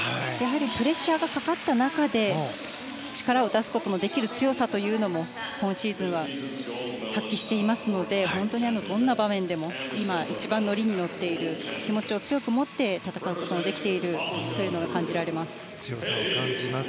プレッシャーがかかった中で力を出すことのできる強さというのも今シーズンは発揮していますので本当に、どんな場面でも今、一番ノリに乗っている気持ちを強く持って戦うことができていると強さを感じます。